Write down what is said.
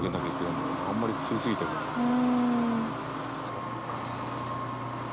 そっか。